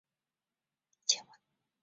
一克若等于一千万。